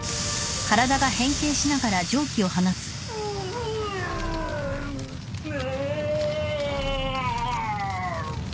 ぬううう。